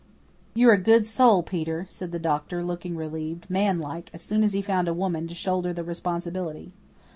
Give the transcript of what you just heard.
"You're a good soul, Peter," said the doctor, looking relieved, manlike, as soon as he found a woman to shoulder the responsibility.